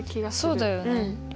そうだよね。